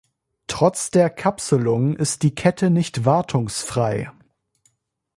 Trotz der Kapselung ist die Kette nicht wartungsfrei.